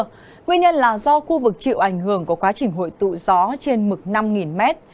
nguyên nhân là do khu vực chịu ảnh hưởng của quá trình hội tụ gió trên mực năm m